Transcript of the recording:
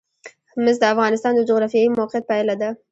مس د افغانستان د جغرافیایي موقیعت پایله ده.